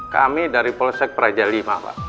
kami dari polsek praja v pak